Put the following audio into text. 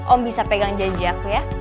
om bisa pegang janji aku ya